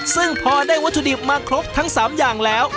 ซึ่งพอได้วัตถุดิบมาครบทั้ง๓อย่างแล้ว